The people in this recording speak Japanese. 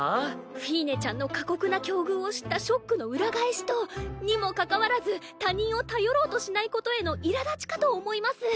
フィーネちゃんの過酷な境遇を知ったショックの裏返しとにもかかわらず他人を頼ろうとしないことへのいらだちかと思います。